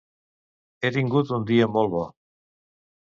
He tingut un dia molt bo.